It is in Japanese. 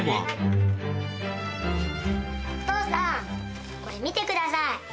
お父さんこれ見てください。